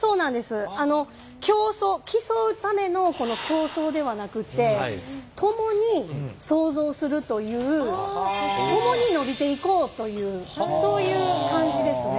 あの競うための競争ではなくって共に創造するという共に伸びていこうというそういう感じですね。